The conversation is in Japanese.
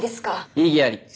異議あり。